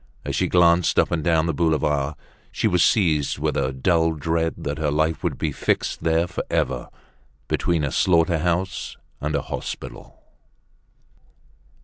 As she glanced up and down the boulevard, she was seized with a dull dread that her life would be fixed there forever, between a slaughter house and a hospital.